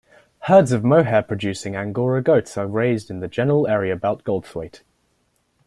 Herds of mohair-producing Angora goats are raised in the general area about Goldthwaite.